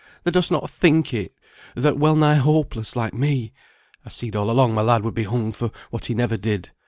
Thou dost not think it. Thou'rt well nigh hopeless, like me. I seed all along my lad would be hung for what he never did.